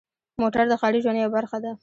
موټر د ښاري ژوند یوه برخه ده.